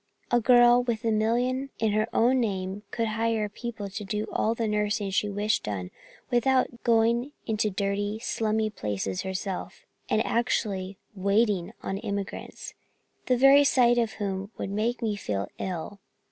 "A girl with a million in her own name could hire people to do all the nursing she wished done without going into dirty, slummy places herself, and actually waiting on immigrants, the very sight of whom would make me feel ill.